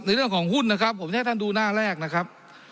เรื่องของหุ้นนะครับผมจะให้ท่านดูหน้าแรกนะครับ